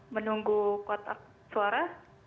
menunggu kotak suara